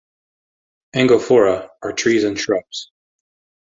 "Angophora" are trees and shrubs.